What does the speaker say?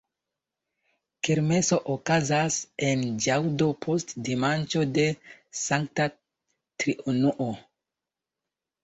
Kermeso okazas en ĵaŭdo post dimanĉo de Sankta Triunuo.